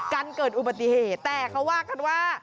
กันเกิดอุบัติเหตุแต่เขาว่ากันว่า